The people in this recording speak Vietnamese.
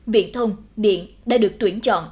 viện thông điện đã được tuyển chọn